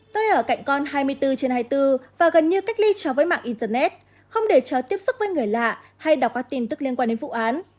tôi ở cạnh con hai mươi bốn trên hai mươi bốn và gần như cách ly cháu với mạng internet không để cho tiếp xúc với người lạ hay đọc các tin tức liên quan đến vụ án